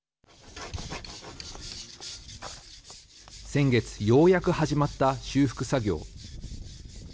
先月ようやく始まった修復作業。